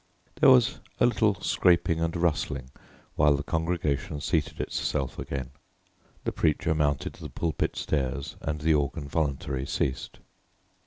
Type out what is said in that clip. There was a little scraping and rustling while the congregation seated itself again; the preacher mounted the pulpit stairs, and the organ voluntary ceased.